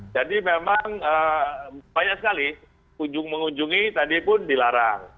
jadi memang banyak sekali mengunjungi tadi pun dilarang